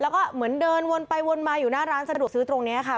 แล้วก็เหมือนเดินวนไปวนมาอยู่หน้าร้านสะดวกซื้อตรงนี้ค่ะ